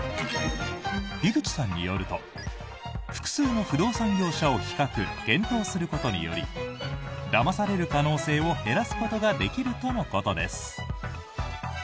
樋口さんによると複数の不動産業者を比較・検討することによりだまされる可能性を減らすことができるとのことです。